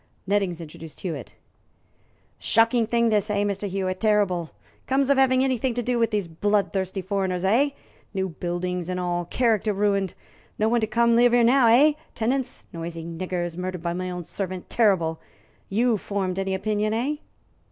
Nettings introduced Hewitt. "Shocking thing this, eh, Mr. Hewitt? Terrible! Comes of having anything to do with these blood thirsty foreigners, eh? New buildings and all character ruined. No one come to live here now, eh? Tenants noisy niggers murdered by my own servants terrible! You formed any opinion, eh?"